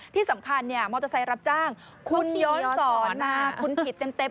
ที่สำคัญเนี่ยมอเตอร์ไซค์รับจ้างคุณย้อนสอนมาคุณผิดเต็ม